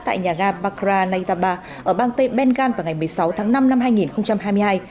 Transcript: tại nhà ga bakra naytaba ở bang tây bengal vào ngày một mươi sáu tháng năm năm hai nghìn hai mươi hai